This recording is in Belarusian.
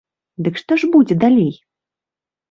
Дык што ж будзе далей?